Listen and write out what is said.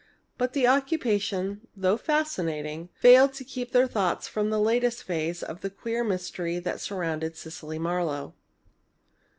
But the occupation, though fascinating, failed to keep their thoughts from the latest phase of the queer mystery that surrounded Cecily Marlowe.